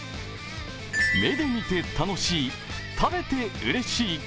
目で見て楽しい、食べてうれしい。